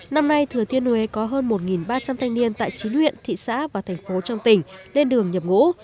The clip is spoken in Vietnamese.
năm nay thừa thiên huế có hơn một ba trăm linh thanh niên tại chín huyện thị xã và thành phố trong tỉnh lên đường nhập ngũ